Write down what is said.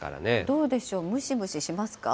どうでしょう、ムシムシしますか。